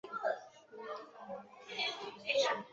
石油管理总局还与北京大学有关的院系取得了联系。